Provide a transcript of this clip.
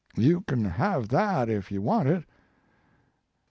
You can have that if you want it.